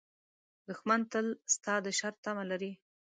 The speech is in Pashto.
دښمن تل ستا د شر تمه لري